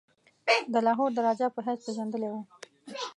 د لاهور د راجا په حیث پيژندلی وو.